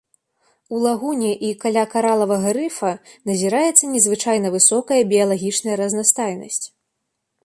У лагуне і каля каралавага рыфа назіраецца незвычайна высокая біялагічная разнастайнасць.